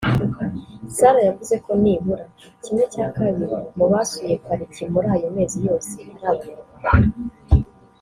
Sarah yavuze ko nibura kimwe cya kabiri mu basuye pariki muri ayo mezi yose ari Abanyarwanda